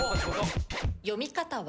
読み方は？